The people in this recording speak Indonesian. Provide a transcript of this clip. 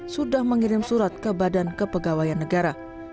sudah mengirim surat ke badan kepegawaian negara